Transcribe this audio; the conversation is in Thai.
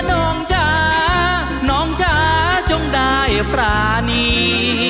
น้องจ๋าน้องจ๋าจงได้ปรานี